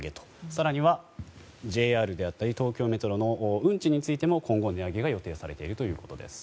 更にはＪＲであったり東京メトロの運賃についても今後、値上げが予定されているということです。